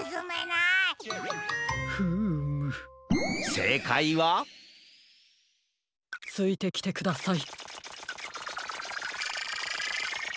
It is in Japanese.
せいかいはついてきてください。